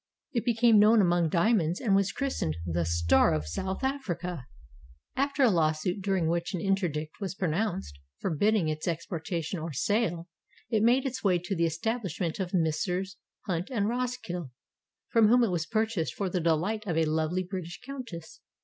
It became known among diamonds and was christened the "Star of South Africa." After a lawsuit, during which an interdict was pronounced forbidding its expor tation or sale, it made its way to the establishment of Messrs. Hunt and Rosskill from whom it was purchased for the delight of a lovely British countess.